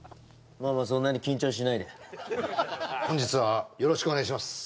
まあまあそんなに緊張しないで本日はよろしくお願いします